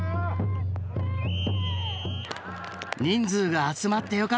人数が集まってよかった！